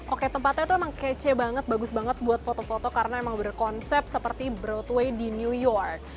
oke tempatnya itu emang kece banget bagus banget buat foto foto karena emang berkonsep seperti broadway di new york